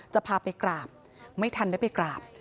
จะพาไปกราบไม่ทันได้ไปกราบ